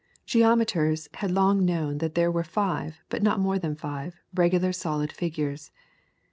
Geometers had long known that there were five, but no more than five, regular solid figures.